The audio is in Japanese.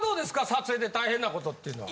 撮影で大変なことっていうのは。